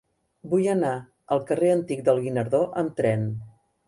Vull anar al carrer Antic del Guinardó amb tren.